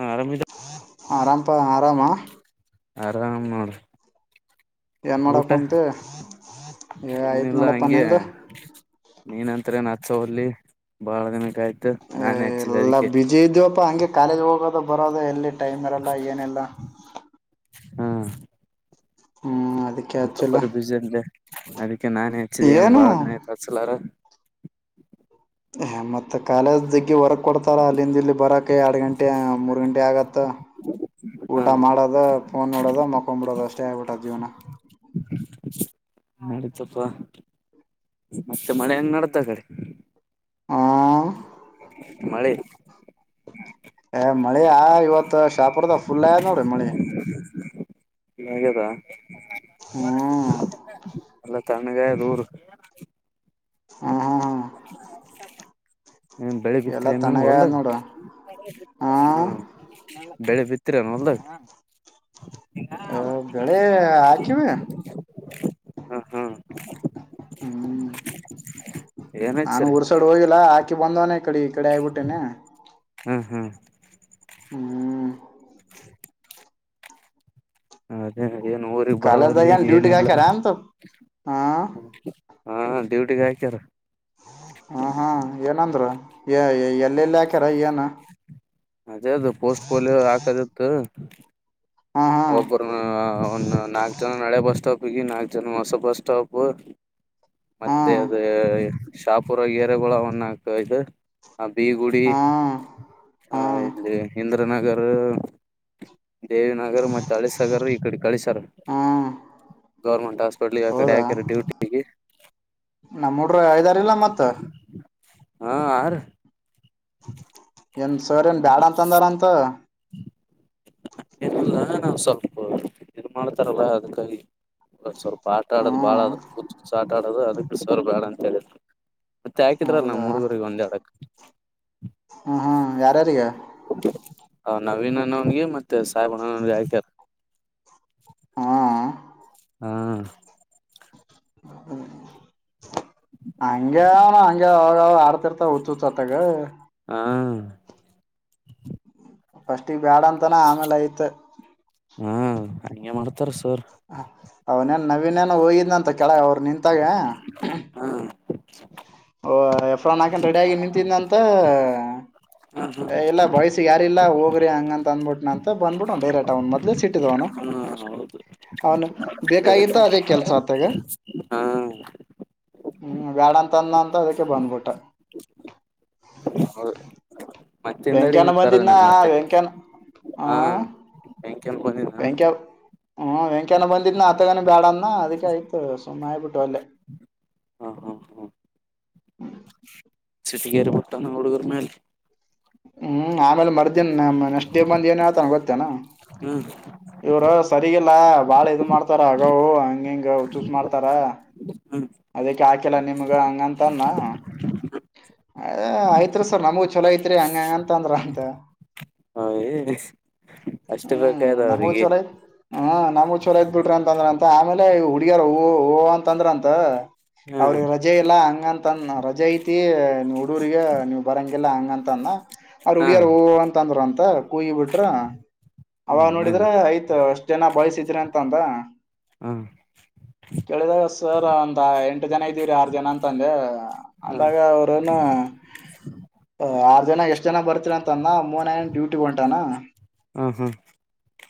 ಹ ಆರಾಮಿದ ಆರಾಮಪ ಆರಾಮ ಆರಾಮ್ ನೋಡ್ರಿ ಏನ್ ಮಾಡಕ್ ಊಟ ಕುಂತಿ ಏ ಆಯ್ತ್ ಏನಿಲ್ಲ ನೋಡಪ್ಪ ಹಗೆ ನಿಂದು ನೀನ್ತನ ಹಚ್ಚೋಲ್ಲಿ ಬಾಳ ದಿನಕ್ಕೆಯಯ್ತ ಹ ಎಲ್ಲಾ ಬಿಜಿ ಇದವಪ್ಪಾ ಹಂಗೆ ಕಾಲೇಜ್ ಹೋಗೋದ ಬರೋದ ಎಲ್ಲಿ ಟೈಮರೆಲ್ಲ ಏನೆಲ್ಲ ಹಾ ಹ್ಮ್ ಅದಕ್ಕೆ ಹಚ್ಚಿಲ್ಲ ಅಂತಪ್ಪರಿ ಬಜಂದೆ ಅದಕ್ಕೆ ನಾನನ್ ಹೆಚ್ಚಿದೆ ಏನ್ ಏನು ಬಾಳ ದಿನತ್ ಹಚ್ಲಾರ ಹ ಮತ್ತೆ ಕಾಲೇಜಗ್ಗೆ ವರಕ್ ಕೊಡ್ತ ತ್ತರ ಅಲ್ಲಿಂದ ಇಲ್ಲಿ ಬರಕ್ಕೆ ಎರಡು ಗಂಟೆ ಮೂರ್ ಗಂಟೆ ಆಗತ್ತ ಹಾ ಊಟ ಮಾಡೋದ ಫೋನ್ ನೋಡೋದ ಮಕೊ್ ಬಿಿಡೋದು ಅಷ್ಟೇ ಆಗ್ಬಿಟ್ಟದ್ ಜೀವನ ನಡತಪ್ಪ ಮತ್ತೆ ಮಳೆಂಗ ನಡತಾ ಕಡೆ ಹಾ ಮಳಿ ಏ ಮಳೆಯ ಇವತ್ತು ಶಾಪುರ್ದ ಫುಲ್ ಆಯ ನೋಡ್ರಿ ಮಳಿ ಹಾಗದಾ ಹ್ಮ್ ತನ್ಣಗೆಯ ದೂರ್ ಹಾ ಹಾ ಹಾ ಹ ಬೆಳಿ ಎಲ್ಲ ಬಿತ್ರಿನು ತಣ್ಣಗಾಗ್ಯದ ಹೊಲ್ದಾಗ ನೋಡು ಹಾ ಆ ಬೆಳೆ ಬಿತ್ತೀರ ನ ಹೊಲ್ದಾಗ ಹ ಬೆಳ ಆ ಕಿವ ಹ್ಮ ಹ್ಮ್ ಹ್ಮ್ ಏನ್ ನಾನು ಹಚ್ಚಿರಿ ಊರ್ಸಡ್ ಹೋಗಿಲ್ಲಾ ಆಕಿ ಬಂದವನ ಈ ಕಡೆ ಈ ಕಡೆ ಆಗ್ಬಿಟ್ಟೇನೆ ಹ್ಮ್ ಹ್ಮ್ ಹ್ಮ್ ಅದೇ ಅ ಏನು ಊಗ್ ಕಾಲೇಜ್ದಾಗ ಬರಲ್ಲಿ ಏನ್ ಡ್ಯೂಟಿಗ್ ಏನಿಲ್ಲ ಹಾಕ್ಯಾರ ಅಂತ ಹಾ ಹ ಡ ಗಾಯಕರ ಹ ಹಾ ಏನಂದ್ರ ಯ ಎಲ್ಲೆಲ್ಲಿ ಹಾಕ್ಯಾರ ಏನ್ ಅದೇ ಅದು ಪೋಸ್ಟ್ ಪೋಲಿಯೋ ಹಾಕದಿತ್ತು ಹಾ ಹಾ ಒಬ್ಬರು ಒಂದು ನಾಲ್ಕು ಜನ ನಳೆ ಬಸ್ ಸ್ಟಾಪ್ ನಾಲ್ಕು ಜನ ಹೊಸ ಬಸ್ ಸ್ಟಾಪ್ ಹಾ ಮತ್ತೆ ಅದ ಶಾಪುರ ಗೆರೆಗಳಳನ್ನ ಕೈದ ಆ ಬಿಗುಡಿ ಹಾ ಹಾ ಇಲ್ಲಿ ಇಂದ್ರನಗರ್ ದೇವ ನಗರ್ ಮತ್ತೆ ಅಳಿ ಸಾಗರ್ ಈ ಕಡೆ ಕಳಿ ಸಾಗ ಹಾ ಗೌರ್ಮೆಂಟ್ ಹಾಸ್ಪಿಟ್ಲಗೆ ಯ ಕಡೆ ಹೌದಾ ಹಾಕ್ಯಾರ ಡ್ಯೂಟಿಗೆ ನಮ್ಮ ಮೂಡ ಐದಾರಲ್ಲ ಮತ್ತ ಹಾ ಆ ಏನ್ ಸರ್ ಏನ್ ಬ್ಯಾಡ ಅಂತ ಅಂದಾರಂತ ಇಲ್ಲ ನಾಸ್ವಲ್ಪ ಇದು ಮಾಡ್ತಾರಲ್ಲ ಅದ್ಕಾಗಿ ಸ್ವಲ್ಪ ಆಟ ಆಡದು್ ಹ್ಮ್ ಬಾಳಚ್ಚ ಆಟ ಆಡೋದು ಅದ ಬಿ ಸ್ವರ್ ಬೇಡ ಅಂತ ಹೇಳಿ ಮತ್ತೆ ಹಾಕಿದ್ರಲ್ಲ ಹೌದಾ ನ್ ಮೂಡುಗೂರಿಗೆ ಒಂದೇ ಹಡಕ್ ಹ್ಮ್ ಹ್ಮ್ ಯಾರ್ಯಾರಿಗೆ ನವೀನ್ ಅಣ್ಣವನ್ಗೆ ಮತ್ತೆ ಸಾಹೇಬ್ ಅಣ್ಣನನ್ಗೆ ಆಯ್ಕಾರೆ [unintelligible] ಹ್ಮ್ ಹಾ ಹ್ಮ ಹಂಗ್ಯ ಹಂಗ್ಯ ಅವಾಗ ಆಡ್ತಿರ್ತ ಹಚ್ಚ ಹಚ್ಚತ್ತಾಗ ಹಾ ಫಸ್ಟ್ ಈಗ್ ಬ್ಯಾಡ ಅಂತಾನ ಆಮೇಲೆ ಐತ್ ಹಾ ಹಗೆ ಮಾಡ್ತಾರ ಸರ್ ಅವನೇನ್ ನವನ್ ನ ಹೋಗಿದ್ಂತ ಕೆಳಗ ಅವರು ನಿಂತಾಗ ಹಾ ಓ ಎಫ್ರ ನಾಕನ್ ರೆಡಿ ಆಗಿ ನಿಂತಿಂದಂತ ಹಾ ಎಲ್ಲ ಬಯಸ್ಸ ಯಾರಲ್ಲ ಹೋಗ್ರಿ ಹಂಗ ಅಂತ ಅಂದ್ಬಿಟ್ಟನ ಅಂತ ಬಂದ್ಬಿಟ್ಟ ಡರೆಕ್ಟ್ ಅವ್ನ್ ಮೊದ್ಲೆ ಸಿಿ ಹ್ಮ ಹೌದು ಬೇಕಾಗಿತ್ತ ಅದೇ ಕೆಲಸ ಆತಾಗ ಹಾ ಹ್ಮ್ ಗ್ಯಾಡ ಅಂತಂದ ಅಂತ ಅದಕ್ಕೆ ಬಂದ್ಬಿಟ್ಟ ಅವ ಮತ್ತೆಿಂದಡಿ ವೆಂಕ್ಯನ ಬಂದಿದ್ನ ಕರದನ ಮತ್ತೆ ವೆಂಕ್ಯನ ಆ ಹಾ ಕೆಂಪನಿನ ಹ್ಮ ವೆಂಕ್ಯನ ಬಂದಿದ್ನ ಆ ತಗಾನ ಬ್ಯಾಡನ ಅದಿಕ ಆಯ್ತು ಸುಮ್ಮ ಆ್ಬಿಟ್ಟು ಅಲ್ಲೇ ಹಾ ಹಾ ಹಾ ಚಿಟಿ ಕರೆ ಪೊಟ್ಟ ನೋಡು ಕರ್ಮ ಹ್ಮ್ ಆಮೇಲೆ ಮರ್ದ ನೆಕ್ಟ್ ಡೇ ಬಂದ ಏನ ಗೊತ್ತೇನಾ ಹ್ಮ್ ಇವ ಸಲ್ಲ ಲ್ಲ ಬಾಳ ಇ್ ಮಾಡ್ತಾರ ಅಗವು ಹಂಗ ಹೆಂಗ ಚೂಸ್ ಮಾಡ್ತಾರ ಹ್ಮ ಹಾಕೆಲ್ಲ ನಿಮ್ಗಳ ಹಂಗಂತ ಅದ ಆಯ್ತ್ರಿ ಸರ್ ನಮಗೂ ಚಲೋ ಐತ್ರಿ ಹಂಗಂಗಂತ ಅಂದ್ರ ಅಂತ ಹ್ಮ ಹ್ಮ್ ನಮಗ ಚಛಲ ಹ್ಮ್ ನಮ ಚಲ ಇದದ್ ಬಿಟ್ರಿ ಅಂತಂದ್ರ ಅಂತ ಆಮೇಲೆ ಹುಡುಗಾರ ಅಂದ್ರ ಅಂತ ಹಾ ಅವ್ರಿಗೆ ರಜೆ ಇಲ್ಲಾ ಹಂಗಂತಂದ ರಜೆ ಐತಿ ನೀ್ ಹುಡುೂಗ ನೀವ್ ಬರಂಗ ಲ್ಲ ಹಂಗಂತ ಅಂದ ಅವರು ಹಾ ಹುಡಿಯಾರ್ ಅಂತಂದ್ರ ಅಂತ ಕೂಯಿ ಬಿಟ್ರ ಅವಾಗ ಹ್ಮ್ ನೋಡಿದ್ರ ನಡಿ ಆಯ್ತ ಅಷ್ಟ್ ಜನ ಬಯಸಿದ್ರ ಅಂತ ಅಂದ ಹ್ಮ ಹ ಕೇಳಿದಾಗ ಸರ್ ಒಂದ ಎಂಟು ಜನ ಇದ್ದೀವ್ರ ಆರು ಜನ ಅಂತಂದೆ ಹಾ ಅಂದಾಗ ಅವರನು ಆರ್ ಜನ ಎಷ್ಟ್ ಜನ ಬರ್ತೀರ ಅಂತ ಅಂದ ಮೂನನ ಡ್ಯೂಟಿ ಹೊಂಟಾನ ಹಾ ಹಾ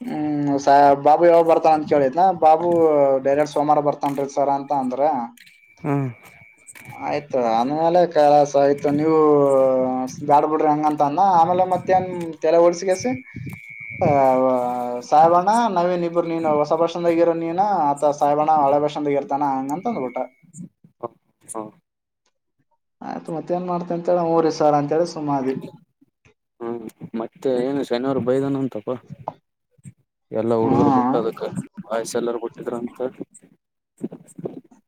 ಹ್ಮ್ ಬಾಬು ಯಾವಾಗ ಬರ್ತಾನ ಅಂತ ಕೇಳತ್ನಾ ಬಾಬು ಡೈರೆ ಸೋಮಾರ ಬರ್ತನ್್ರೀ ಸರ ಅಂತ ಅಂದ್ರ ಹಾ ಆಯ್ತು ಅಂದ್ಮೇಲೆ ಕ ಆಯ್ತ ನೀವು ಬ್ಯಾಡ್ಬಿಡ್ರಿ ಹೆಂಗಂತ ಅನ್ನ ಆಮೇಲೆ ಮತ್ತೆನ್ ತೆಲೆ ಡ್ಸಗಸ ಆ ್ ಸಾೇಬಣ್ಣ ನವೀನ್ ಇಬ್ಬರು ನೀನು ಹೊಸ ಭಷದಗಿರೋ ನೀನು ಆತ ಸಹೇಬಣ್ಣ ಒಳೆ ಭಷದಗ ಇರ್ತಾನ ಹಂಗ ನಂತಂದು ೋಟ್ಟೆ ಹಾ ಆಯ್ತು ಮತ್ತ ಏನ್ ಮಾಡ್ತೆ ಅಂತೇಳಿ ಊ್ರ ಸಾರ ಅಂತೇಳಿ ಸುಮ್ಮಾದಿ ಹ್ಮ್ ಮತ್ತೆ ಏನು ಶನಿವಾರರು ಬೈದಾನ ಅಂತಪ್ಪ ಎಲ್ಲಾ ಹ್ಮ ಹುಡುಗರು ಬುಟ್ಟದಕ್ಕ ವಯಸ್ಸ ಎಲ್ಲಾರ ಬಿುಟ್ಟಿದ್ರ ಅಂತ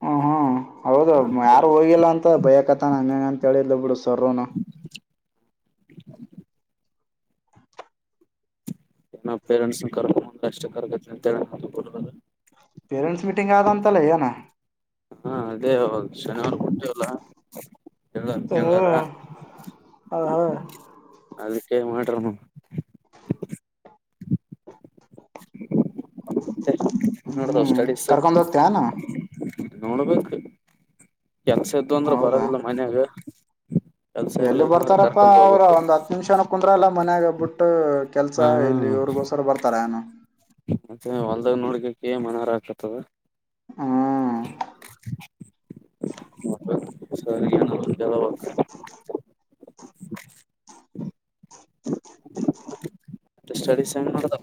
ಹ್ಮ ಹ್ಮ್ ಹೌದು ಯಾರು ಹೋಗಿಲ್ಲ ಅಂತ ಭಯಕತ ನಂಗ ಅಂತ ಹೇಳಿದ ಇಲ್ಲ ಬಿಡು ಸರ್ೋನಾ [unintelligible] ನ ಪೇರೆಂಟ್ಸ್ ಕರ್ಕೊಂಡಂದ ಅಷ್ಟೇ ಕರಕತಿ ಅಂತೇಳ ಪೇರೆಂಟ್ಸ್ ಮೀಟಿಂಗ್ ಆದ ಅಂತಲ್ಲ ಏನ ಹಾ ಅದೇ ಹದು ಶನಿವಾರ ಕೊಟ್ಟೇವಲ್ಲ ಚಲ್ ಹ ಚಲ್ದಾರಾ ಹ ಅದಕ್ಕೆ ಮಾಡ್ರನು ಮತ್ತೆ ಹ್ಯಾಂಗ್ ನಾಡದವ್ ಹ್ಮ್ ಸ್ಟಡೀಸ್ ಕರ್ಕೊಂಡ್ ಹೋಗ್ತೇನ ನೋಡ್ಬೇಕು ಕೆಲಸ ಇದ್ದುವು ಅಂದ್ರ ಹೌದಾ ಬರೋದಿಲ್ಲ ಮನ್ಯಾಗ ಕೆಲ್ಸ ಎಲ್ಲಿ ಇರ್ಲಿಲ್ಲ ಅಂದ್ರ ಬರ್ತಾರಪ್ಪಾ ಕರ್ಕೊಂಡ್ ಅವ್ರರು ಹೋಗ್ಬೇಕು ಒಂದ್ ಹತ್ ನಿಮಿಷನು ಕುಂದ್ರ ಅಲ್ಲ ಮನ್ಯಾಗ ಬಿಟ್ಟ ಕೆಲ್ಸ ಹಾ ಇಲ್ಲಿ ಇವ್ರಿಗೋಸ್ಕರ ಬರ್ತಾರೆ ಏನ ಮತ್ತೆ ಹೊಲ್ದಾಗ ನೋಡ್ಕಕ್ಕೆ ಮಾನರ ಆಗ್ತತದ ಹ್ಮ [unintelligible] ಹೇಳಬೇಕ [unintelligible] ಸ್ಟ ಮಾಡದ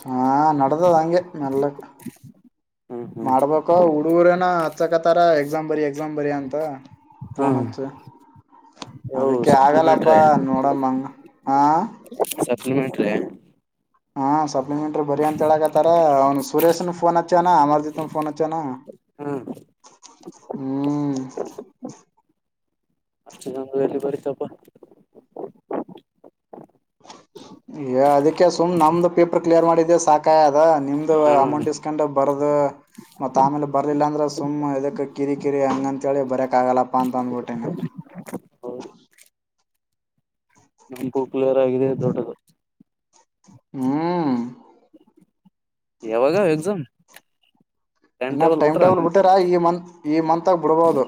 ಹಾ ನದದ ಅಂಗೆ ನಲ್ಲ ಹ್ಮ್ ಹ್ಮ್ ಮಾಡ್ಬೇಕ ಹುಡುಗರೇನ ಹಚಕತರ ಎಕ್ಸಾಮ್ ಬರಿ ಎಕ್ಸಾಮ್ ಬರಿಯಂತ ಹಾ ಪೋನ್ಹಚ ಅದಕ್ಕೆ ಆಗಲ್ಲಪ್ಪಾ ಸಪ್ಲಿಮೆಂಟ್ರಿ ನೋಡಮ್ಮ ಹಾ ಸಪ್ಲಿಮೆಂಟರಿ ಹಾ ಸಪ್ಲಿಮೆಂಟ್ರಿ ಬರಿ ಅಂತ ಹೇಳಕತ್ತಾರ ಅವ್ನ್ ಸುರೇಶ್ನ್ ಫೋನ್ ಹ ಹಚ್ಯಾಣ ಅಮಾರಜಿತ್ ಒಂದ ಪೋನ್ ಹಚ್ಯಾಣ ಹಾ ಹ್ಮ್ ಇನೊಂದು ಬಾರಿ ಎಲಿ ಬರಿತಪ್ಪ ಅದಕ್ಕೆ ಸುಮ್ ನಮ್ದು ಪೇಪರ್ ಕ್ಲಿಯರ್ ಮಾಡಿದ್ದ ಸಾಕಾಯ ಅದ ನಿಮ್ದು ಹಾ ಅಮೌಂಟ್ ಇಸ್ಕೊಂಡ ಬರದ ಅದು ಮತ್ತ್ ಆಮೇಲೆ ಬರ್ಲಿಲ್ಲ ಅಂದ್ರೆ ಸುಮ್ ಇದಕ್ಕೆ ಕಿರಿ ಕಿರಿ ಹಂಗ ಅಂತೇಳಿ ಬರ್ಯಾಕ್ ಆಗಲ್ಲಪ್ಪಾ ಅಂತ ಅಂದ್ಬಿಟ್ಟೇನೆ [unintelligible] ನಮ್ದು ಕ್ಲಿಯರ್ ಆಗಿದೆ ದೊಡ್ಡದು ಹ್ಮ್ ಯಾವಾಗ ಅವ ಎಕ್ಸಾಮ್ ಇನ್ನ ಟೈಮ್ ಟೇಬಲ್ ಬಿಟ್ಟಿರ ಈ ಮಂತ್ ಈ ಮಂತ್ ಆಗ ಬಿಡ್ಬಹದು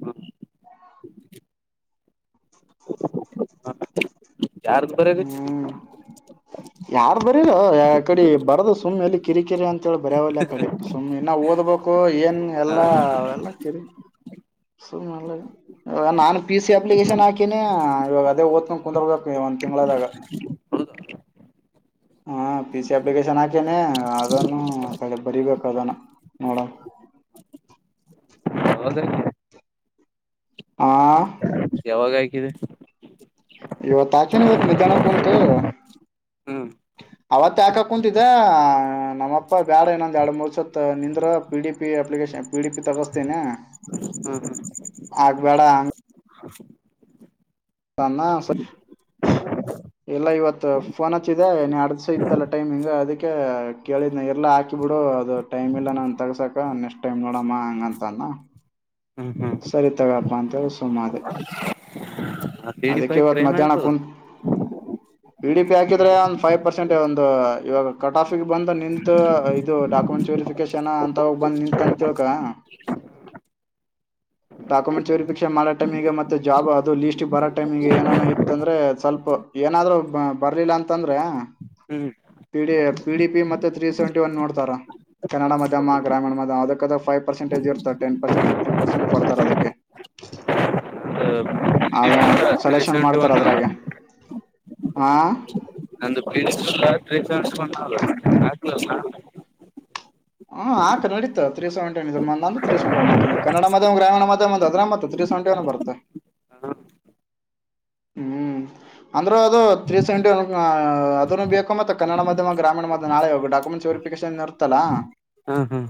ಹೂ ಯಾರದು ಬಾರ್ಯಕತಿದೀ ಯಾರು ಬರೀಲೊ ಯಕಡೆ ಬರದ ಸುಮ್ಮನೆ ಎಲ್ಲಿ ಕಿರಿಕಿರಿ ಅಂತೇಳಿ ಬರ್ಯವಲ್ಲ ಯ ಕಡೆ ಸುಮ್ಮ್ನೆ ನಾ ಓದ ಹಬೇಕು ಏನ್ ಎಲ್ಲಾ ಎಲ್ಲ ಕಿರಿ ಸುಮ್ನೆ ಇವಾಗ ನಾನು ಪಿ ಸಿ ಅಪ್ಲಿಕೇಶನ್ ಹಾಕಿನಿ ಇವಾಗ ಅದೇ ಓದ್ತ ಕುತ್ರ್ಬೇಕ ಒಂದು ತಿಂಗಳದಾಗ ಹೂ ಪಿ ಸಿ ಅಪ್ಲಿಕೇಶನ್ ಹಾಕಿನಿ ಅದನ್ನು ಕ ಬರಿಬೇಕು ಅದನ್ನು ನೋಡಂ ಓದಕೆ ಹಾ ಯಾವಾಗ ಹಾಕಿದೀ ಇವತ್ ಹಾಕೇನ್ ಇವತ್ ಮಧ್ಯಾಹ್ನಕ್ಕ ಕುಂತು ಹ್ಮ್ ಅವತ್ತ ಹಾಕಾಕ್ ಕುಂತಿದ ಹ ನಮ್ಮಪ್ಪಾ ಬ್ಯಾಡ ಇನ್ನೊಂದ್ ಎರಡು ಮೂರು ಸುತ್ತು ನಿಂದ್ರ P D P application P D P ತಗತ ತಿಣಿ ಹ್ಮ್ ಆಗ್ಬ್ಯಾಡ [unintelligible] [unintelligible] ಎಲ್ಲ ಇವತ್ತು ಫೋನ್ ಹಚ್ಚಿದೆ ಇನ್ನ ಎರಡು ದಿವಸ ಇತ್ತಲ್ಲ ಟೈಮಿಂಗ್ ಅದಕ್ಕೆ ಕೇಳಿದ್ ಎಲ್ಲ ಹಾಕಿ ಬಿಡು ಅದು ಟೈಮ ಇಲ್ಲ ನಾನನ್ ತಗಸಕ ನೆಕ್ಸ್ಟ್ ಟೈಮ್ ನೋಡಮ್ಮ ಹಂಗಂತ ಅಂದ ಹಾ ಹ್ಮ್ ಹ್ಮ್ ಹ್ಮ್ ಸರಿ ತಗಪ್ಪಾ ಅಂತೇಳಿ ಸುಮ್ಮಾದೇ ಪಿಡಿ ಅದಕೆ ಹಾಕಿರ ಇವತ್ತ್ ಮಧ್ಯಾನ ಏನಾಗ್ತದ ಕುಂತು ಪಿ ಡಿ ಪಿ ಹಾಕಿದ್ರೆ ಒಂದ್ ಫೈವ್ ಪರ್ಸೆಂಟ್ ಒ ಇವಾಗ ಕಟ್ ಆಫ ಬಂದು ನಿಂತು ಇದು ಡಾಕ್ಯುಮೆಂಟ್ಸ್ ವೆರಿಫಿಕೇಶನ್ ಅಂತಾಗ ಬಂದ ನಿಂತತ್ ಅಂತ. [unintelligible] ಡಾಕ್ಯುಮೆಂಟ್ಸ್ರಿ ಪೀಕ್ಷೆ ಮಾಡೋ ಟೈಮಿಗೆ ಮತ್ತೆ ಜಾಬ್ ಅದು ಲೀ್ಟಿಗೆ ಬರೋ ಟೈಮಿಗೆ ಏನ ಇತ್ತ ಅಂದ್ರೆ ಸ್ವಲ್ಪ.. ಏನಾದ್ರು ಬರ್ಲಿಲ್ಲ ಅಂತಂದ್ರೆ.. ಹ್ಮ್ ಪಿಡಿ ಪಿಡಿ ಪಿ ಮತ್ತೆ ತ್ರೀ ಸೆವೆಂಟಿ ಒನ್ ನೋಡ್ತಾರಾ.. ಕನ್ನಡ ಮಾಧ್ಯಮ ಗ್ರಾಮೀಣ ಮಾಧ್ಯ ಅದಕ್ಕದ ಫೈ ಪರ್ಸೆಟಜ ಇತ ಟನ್ ಪರ್ಸೆಟ್ ಟೀನ್ ಪರ್ಟ್.. ಕೊಡ್ತಾರ ಅದಕ್ಕೆ ಆದ. ತ್ರೀ ಸೆಲೆಷನ್ ಸೆವೆಂಟಿ ಮಾಡ್ತಾರ ಒನ್ ಅದ್ರಾಗೆ ಹಾ. ನಂದು ಪ್ರನ್ಫಲ. ಹಾ ನಡಿತ ತ್ರ ಸವೆಂಟನ್ ಇದ ಸೆವೆಂಟನ್ಕ ಕನ್ನಡ ಮ ಗ್ರೀಣ ಮ ಅದ ಮತ್ತ ತ್ರೀ ಪರ್ಸೆಂಟ್ ಬರುತ್ತ ಹಾ ಹ್ಮ್. ಅಂದ್ರರು ಅದು ತ್ರೀ ಸೆಂಟ ಅದ ಬೇಕ ಮತ್ತೆ ಕನ್ನಡ ಮಾಧ್ಯ ಗ್ರಾಮೀಣ ಮಾಧ್ಯ ನಾ ಡಾಕ್ಯುಮೆಂಟ್.. ಚರ್ಪಿಕ ಇರ್ತಲ್ಲಾ.. ಹ್ಮ್ ಹ್ಮ್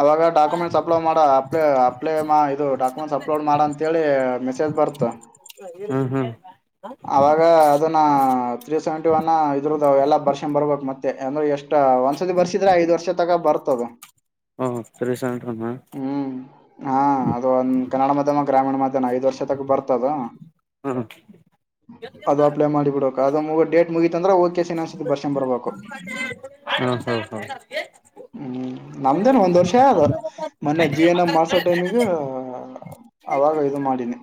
ಅವಾಗ ಡಾಕ್ಯುಮೆಂಟ್ಸ್ ಅಪ್ಲೈ ಮಾಡ ಅಪ್ಲ ಅಪ್ಲೈ ಇದು ಡಾಕುಮೆಂಟ್ಸ್ ಅಪ್ಲೋಡ್ ಮಾಡ ಅಂತಿ ಮೆಸೇಜ್.. ಬರ್ತ. ಹ್ಮ ಹ್ಮ್. ಅವಾಗ ಅದನ್ನ ತ್ರೀ ಸೆವೆಂಟಿ ಒನ್ ಇದ್ರದದು ಎಲ್ಲಾ ಬರ್ಷೆನ್ ಬರ್ಬೇಕಕ್ ಮತ್ತೆ ಅಂದ್ರೆ ಎಷ್ಟ. ಒಂದ್ಸತಿ ಬರ್ಸಿದ್ರೆ ಐದ್ ವರ್ಷ ತಕ ಬರ್ತದ. ಸರಸಂರಮ್ಮ.. ಹ್ಮ್ ಹಾ ಅದು ಒಂದು ಕನ್ನಡ ಮಾಧ್ಯಮ ಗ್ರಾಮೀಣ ಮಾಧ್ಯಾಹ್ ಐದ್ ವರ್ಷ ತಕ ಬರ್ತದ.. ಹ್ಮ. ಅದು ಅಪ್ಲೈ ಮಾಡಿಬಿಡಬೇಕು ಅದು ಮುಗ ಡೇಟ್ ಮುಗೀತಂದ್ರೆ ಓಕೆಸನ್ ಅನ್ಸುತ್ತೆ ಬರ್ಷನ್ ಬರ್ಬೇಕು ಹ್ಮ ಹ್ಮ ಹ್ಮ.. ಹ್ಮ್ ನಮ್ದೇನ್ ಒಂದ್ ವರ್ಷ ಆದ ಮೊನ್ನೆ ಜೀವನ್ ಮಾಡ್ಸೋ ಟೈಮಗ.. ಅವಾಗ ಇದು ಮಾಡಿನಿ..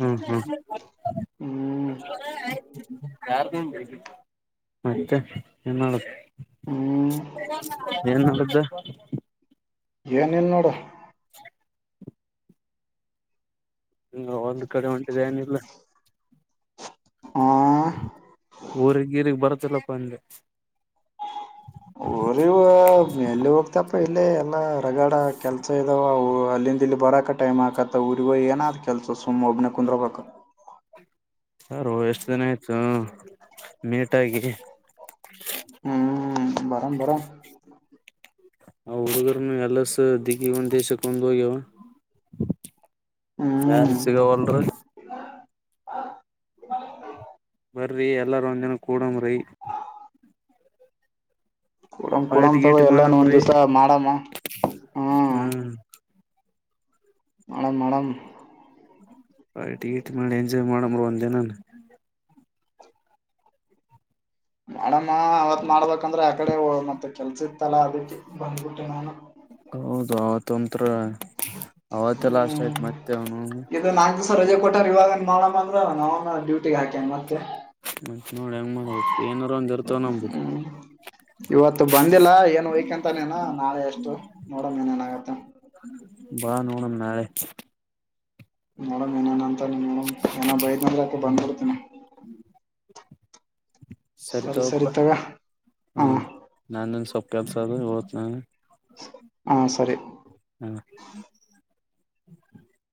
ಹ್ಮ್ ಹ್ಮ್ ಹ್ಮ್.. ಮತ್ತೆ ಏನ್ ಮಾಡುದು ಹ್ಮ್ ಏನ್ ಮಾಡ್ದ.. ಏನ ಇಲ್ ನೋಡ.. ಒಂದು ಕಡೆ ಹೊಂಟಿದೆ ಏನಿಲ್ಲ.. ಹ. ಮಲಪ್ಪಂದ.. ಹ್ಮ. ಅವ್ರ ಎಲ್ಲಿ ಹೋಗ್ತಪ್ಪ ಇಲ್ಲ ಎಲ್ಲ ರರಗಡ ಕೆಲ್ಸ ಇದಾವ ಅಲ್ಲಿಂದ ಇಲ್ಲಿ ಬರಕ್.. ಟೈಮ್ ಆತ ಉಊರುವ ಏನಾದ ಕೆಲಸ ಸುಮ್ ಒಬ್ಬನ ಕುಂದರಬೇಕ.. ಹಾರ ಎಷ್ಟು ದಿನ ಆಯ್ತು ಮೀಟಾಗಿ.. ಹ್ಮ್ ಬರನ್ ಬರ.. ಆ ಹುಡುಗರ್ನು ಎಲ್ಲಸ ದಿಗಿ ಒಂದ ದೇಶಕ್ಕೆ ಒಂದು ಹೋಗ್ಯವ.. ಯಾರು ಸಿಗಾವಲ್ರಿ.. ಹ. ಬರ್ರರಿ ಎಲ್ಲಾರೂ ಒಂದಿನ ಕೂಡ ಮುರೆ.. ಕೊಡಮ ಕುಡಮ ಪಾರ್ಟಿ ತಗ ಗೀಟಿ ಎಲ್ಲಾನ ಒಂದ್ ಮಾಡಮ್ರಿ ದಿವ್ಸ ಮಾಡಮ್ಮ ಹ್ಮ.. ಹ ಹಣಮ ಹಣಮ.. ಆಟ ಇಟ್ ಮಾಡಿ ಎಂಜಾಯ್ ಮಾಡಮ್ರ ಒಂದ ದಿನ.. ಮಡಮ್ಮ ಅವವತ್ ಮಾಡ್ಬೇಕಂದ್ರೆ ಆಕಡೆ ಮತ್ತೆ ಕೆಲ್ಸ ಇತ್ತಲ್ಲ ಅದಕ್ಕೆ ಬಂದಬಿಟ್ಟೆ ನು.. ಹೌದು ಅವತ್ ಒಂತ್ರರ ಅವತ್ತ ಲಾಸ್ಟ್ ಹ್ಮ್ ಆಯ್ತ್ ಮತ್ತೆ ಅವನು.. ಇದು ನಾಲ್ಕು ದಿವಸ ರಜೆ ಕೊಟ್ಟಾರ ಇವಾಗಏ ಮಾಡೋಣ ಅಂದ್ರ ನಾ ಡ್ಯೂಟಿಗೆ ಹಾಕೇನ್ ಮತ್ತೆ.. ಮ ನೋಡಿ ಹೆಂಗ ಮಾಡ್ಬದು ಏನಾರ ಒಂದ ಇರ್ತವ ನಂಬು.. ಹ್ಮ್ ಇವತ್ತು ಬಂದಿಲ್ಲ ಏನ್ ವಯಕ್ಂತಾನೇನ ನಾಳೆ ಎಷ್ಟು ನೋಡಮ ನ್ ಏನ ಆಗತ್ತ. ಬಾ ನೋಡಮ ನಾಳೆ. ನೋಡಂ ಏನೇನ ಅಂತಾನ ನೋಡಮ್ ಏನ ಬೈತ ಅಂದ್ರೆ ಅಕ ಹ್ಮ್ ಬಂದ್ಬಿಡ್ತೀನಿ. ಸರಿ ತಗ ಹಾ ಹ ನಾನನ್ ಸ್ವಲ್ಪ ಕೆಲ್ಸ ಅದ ಓತ್ ನನ್. ಹಾ ಸರಿ. ಹ್ಮ.